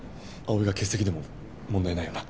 葵が欠席でも問題ないよな？